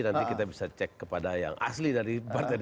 nanti kita bisa cek kepada yang asli dari partai demokrat